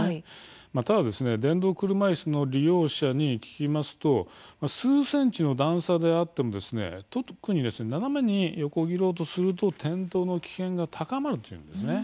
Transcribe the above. ただ電動車いすの利用者に聞きますと数ｃｍの段差であっても特に斜めに横切ろうとすると転倒の危険が高まるというんです。